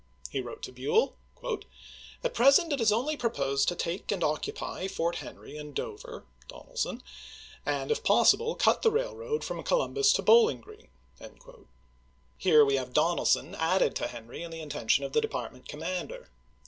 He wrote to Buell : "At present it is only proposed to take and occupy Fort Henry and ^Blfeu,*" Dover [Donelson], and, if possible, cut the railroad ^®V'r.^*^'^" from Columbus to Bowling Green." Here we have p.' 578. " Donelson added to Henry in the intention of the department commander.